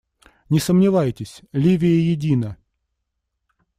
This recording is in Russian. Не сомневайтесь, Ливия едина.